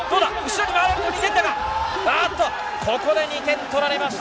ここで２点取られました。